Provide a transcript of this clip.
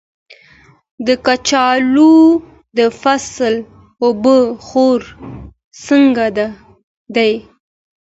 د کچالو د فصل اوبه خور څنګه دی؟